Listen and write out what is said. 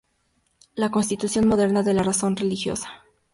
La constitución moderna de la razón religiosa.